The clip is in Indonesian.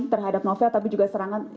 terhadap novel tapi juga serangan